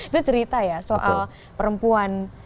itu cerita ya soal perempuan